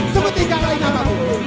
seperti kata nama aku